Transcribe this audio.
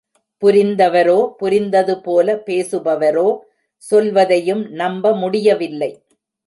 புரிந்தவரோ, புரிந்ததுபோல பேசுபவரோ சொல்வதையும் நம்ப முடியவில்லை.